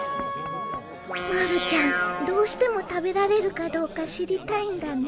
まるちゃんどうしても食べられるかどうか知りたいんだね